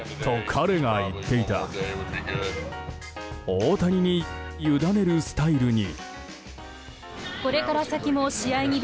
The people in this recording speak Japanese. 大谷に委ねるスタイルに。